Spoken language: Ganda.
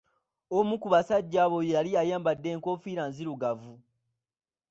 Omu ku basajja abo yali ayambadde enkofiira nzirugavu.